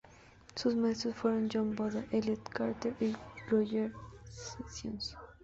Sus maestros fueron John Boda, Elliott Carter, y Roger Sessions.